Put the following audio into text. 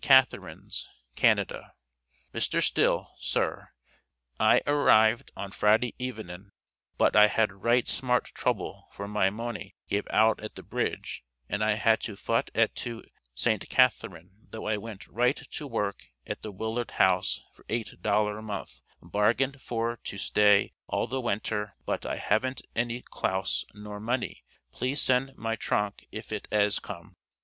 CATHARINES, Canada. MR. STILL, SIR: I ar rivd on Friday evenen bot I had rite smart troble for my mony gave out at the bridge and I had to fot et to St. Catherin tho I went rite to worke at the willard house for 8 dolor month bargend for to stae all the wentor bot I havent eny clouse nor money please send my tronke if et has come.